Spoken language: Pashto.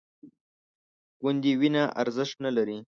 ګوندې وینه ارزښت نه لري